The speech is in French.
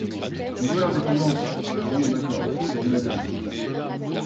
On veut l’indépendance! Bon, d’accord, on vous la donne.